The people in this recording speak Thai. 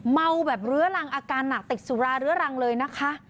เมาแบบเรื้อรังอาการหนักติดสุราเรื้อรังเลยนะคะ